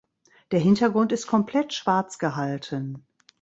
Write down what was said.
Der Hintergrund ist komplett schwarz gehalten.